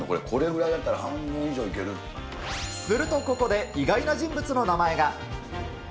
これぐらいだったら半分以上いけすると、ここで意外な人物の名前が。